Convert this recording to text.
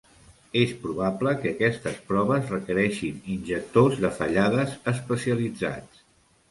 És probable que aquestes proves requereixin injectors de fallades especialitzats.